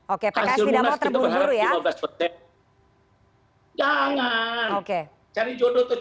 oke pks tidak mau terburu buru ya